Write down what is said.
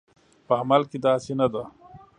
په عمل کې داسې نه ده